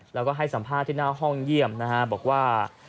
แล้วก็ให้สัมภาษณ์ที่หน้าห้องเยี่ยมนะฮะบอกว่า